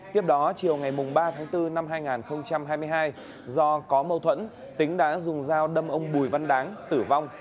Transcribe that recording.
tiếp đó chiều ngày ba tháng bốn năm hai nghìn hai mươi hai do có mâu thuẫn tính đã dùng dao đâm ông bùi văn đáng tử vong